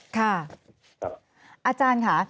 ค่ะอาจารย์ค่ะ